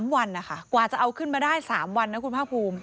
๓วันนะคะกว่าจะเอาขึ้นมาได้๓วันนะคุณภาคภูมิ